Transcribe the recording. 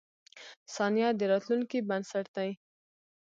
• ثانیه د راتلونکې بنسټ دی.